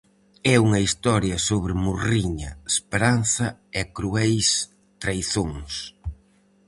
É unha historia sobre morriña, esperanza e crueis traizóns.